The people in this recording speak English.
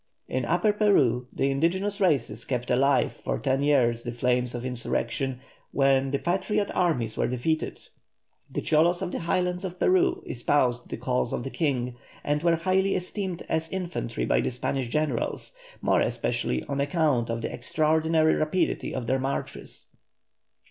In Upper Peru the indigenous races kept alive for ten years the flames of insurrection when the patriot armies were defeated. The cholos of the Highlands of Peru espoused the cause of the king, and were highly esteemed as infantry by the Spanish generals, more especially on account of the extraordinary rapidity of their marches.